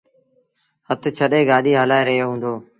هٿ ڇڏي گآڏيٚ هلآئي رهيو هُݩدو۔